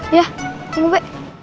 iya tunggu be